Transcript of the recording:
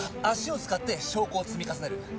足を使って証拠を積み重ねる。